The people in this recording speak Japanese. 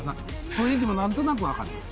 雰囲気も何となく分かります。